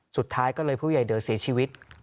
สุดท้ายก็เลยผู้ใหญ่เดอเสียชีวิต